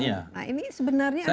nah ini sebenarnya anda memiliki